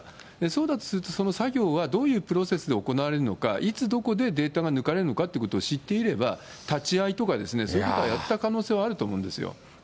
そうだとすると、その作業はどういうプロセスで行われるのか、いつどこでデータが抜かれるのかということを知っていれば、立ち会いとか、そういうことはやった可能性はあると思うんですよ。